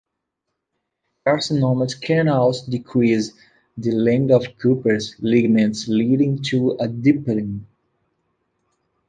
Carcinomas can also decrease the length of Cooper's ligaments leading to a dimpling.